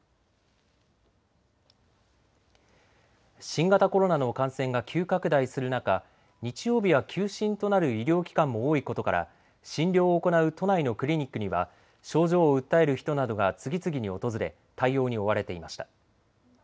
新型コロナの感染が急拡大する中、日曜日は休診となる医療機関も多いことから診療を行う都内のクリニックには症状を訴える人などが次々に訪れ対応に追われていました。